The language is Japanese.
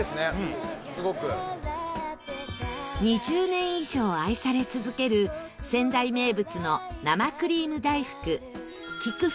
２０年以上愛され続ける仙台名物の生クリーム大福喜久